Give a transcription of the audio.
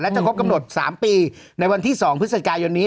จะครบกำหนด๓ปีในวันที่๒พฤศจิกายนนี้